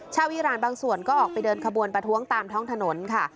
อีรานบางส่วนก็ออกไปเดินขบวนประท้วงตามท้องถนนค่ะ